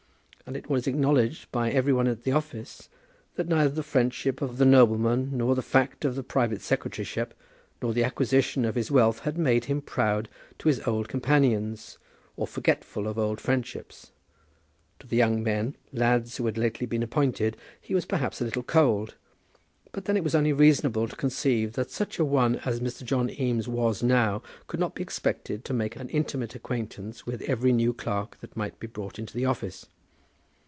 And it was acknowledged by every one at the office, that neither the friendship of the nobleman, nor the fact of the private secretaryship, nor the acquisition of his wealth, had made him proud to his old companions or forgetful of old friendships. To the young men, lads who had lately been appointed, he was perhaps a little cold; but then it was only reasonable to conceive that such a one as Mr. John Eames was now could not be expected to make an intimate acquaintance with every new clerk that might be brought into the office.